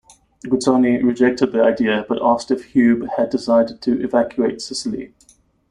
Guzzoni rejected the idea but asked if Hube had decided to evacuate Sicily.